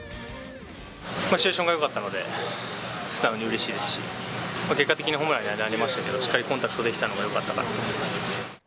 シチュエーションがよかったので、素直にうれしいですし、結果的にホームランになりましたけれども、しっかりコンタクトできたのがよかったなと思います。